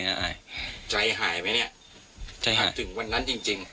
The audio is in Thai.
ใจหายไหมเนี่ยถ้าถึงวันนั้นจริง